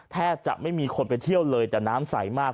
แทบจะไม่มีคนไปเที่ยวเลยแต่น้ำใสมาก